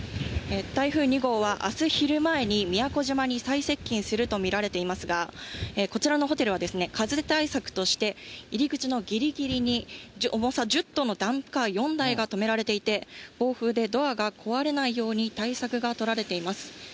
台風２号は、あす昼前に宮古島に最接近すると見られていますが、こちらのホテルは、風対策として入り口のぎりぎりに重さ１０トンのダンプカー４台が止められていて、暴風でドアが壊れないように対策が取られています。